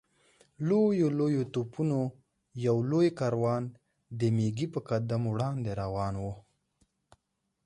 لویو لویو توپونو یو لوی کاروان د مېږي په قدم وړاندې روان و.